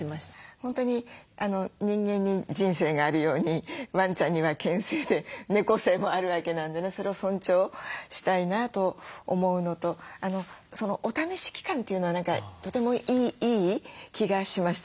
本当に人間に「人生」があるようにワンちゃんには「犬生」で「猫生」もあるわけなんでそれを尊重したいなと思うのとお試し期間というのは何かとてもいい気がしました。